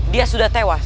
dia sudah tewas